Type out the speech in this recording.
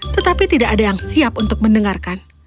tetapi tidak ada yang siap untuk mendengarkan